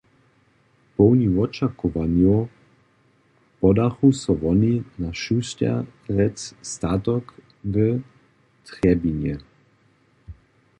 Połni wočakowanjow podachu so woni na Šusterec statok w Trjebinje.